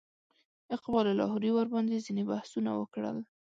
اقبال لاهوري ورباندې ځینې بحثونه وکړل.